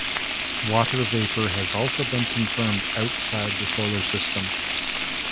Water vapor has also been confirmed outside the Solar System.